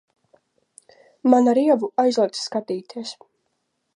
Man ar Ievu aizliegts skatīties!